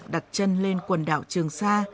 đặt chân lên quần đảo trường sa